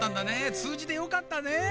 つうじてよかったね。